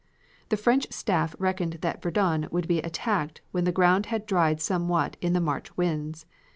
"The French Staff reckoned that Verdun would be attacked when the ground had dried somewhat in the March winds.